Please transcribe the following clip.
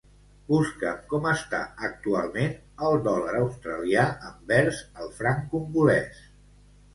Busca'm com està actualment el dòlar australià envers el franc congolès.